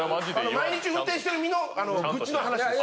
毎日運転してる身のグチの話です。